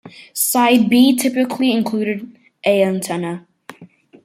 Side B typically included a antenna.